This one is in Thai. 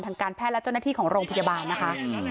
ทางการแพทย์และเจ้าหน้าที่ของโรงพยาบาลนะคะ